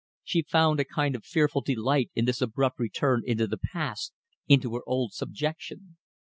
She found a kind of fearful delight in this abrupt return into the past, into her old subjection.